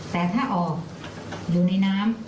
แต่ถ้าออกอยู่ในน้ำ